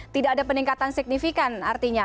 tidak ada peningkatan signifikan artinya